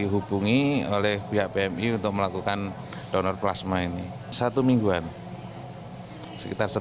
hubungi oleh pihak pmi untuk melakukan donor plasma ini satu mingguan sekitar